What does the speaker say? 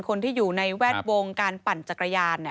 คนที่อยู่ในแวดวงการปั่นจักรยาน